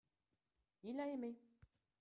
il a aimé.